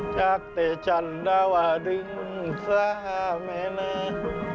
จากเตะชันดาวะดึงซ่าแม่น้า